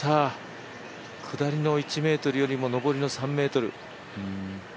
下りの１ｍよりも上りの３ｍ。